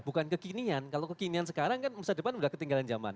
bukan kekinian kalau kekinian sekarang kan masa depan sudah ketinggalan zaman